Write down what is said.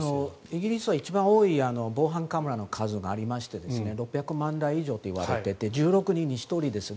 イギリスは一番多い防犯カメラの数がありまして６００万台以上といわれていて１６人に１人です。